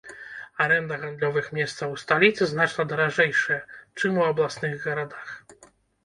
Арэнда гандлёвых месцаў у сталіцы значна даражэйшая, чым у абласных гарадах.